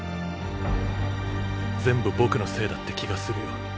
全部僕のせいだって気がするよ。